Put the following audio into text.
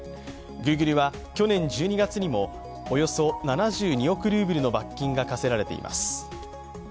Ｇｏｏｇｌｅは、去年１２月にもおよそ７２億ルーブルの罰金が科せられています。